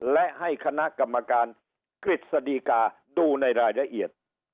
และให้คณะกรรมการกฤษฎีกาดูในรายละเอียด